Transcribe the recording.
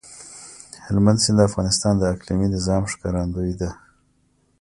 هلمند سیند د افغانستان د اقلیمي نظام ښکارندوی ده.